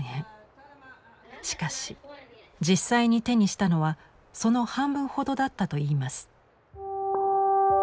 しかし実際に手にしたのはその半分ほどだったといいます。